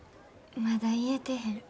まだ言えてへん。